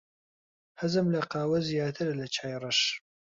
حەزم لە قاوە زیاترە لە چای ڕەش.